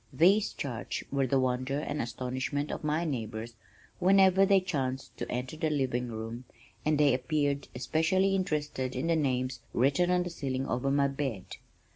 These charts were the wonder and astonishment of my neighbors whenever they chanced to enter the living room, and they appeared especially interested in the names written on the ceiling over my bed.